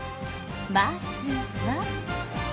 まずは。